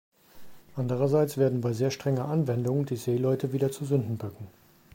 Andererseits werden bei sehr strenger Anwendung die Seeleute wieder zu Sündenböcken.